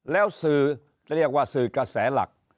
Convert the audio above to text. แล้วสื่อเรียกว่าสื่อกระแสหลัก